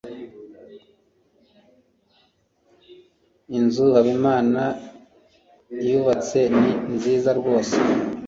Inzu Habimana yubatse ni nziza rwose.